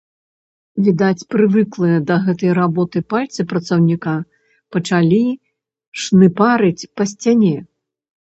Відаць, прывыклыя да гэтай работы, пальцы працаўніка пачалі шныпарыць па сцяне.